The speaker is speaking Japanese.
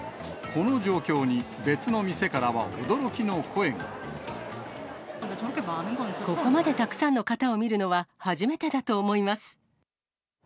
この状況に、別の店からは驚ここまでたくさんの方を見るのは、初めてだと思います。